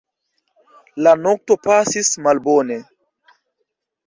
La nokto pasis malbone.